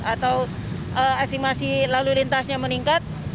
atau estimasi lalu lintasnya meningkat